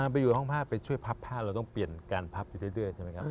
ไปอยู่ห้องผ้าไปช่วยพับผ้าเราต้องเปลี่ยนการพับอยู่เรื่อยใช่ไหมครับ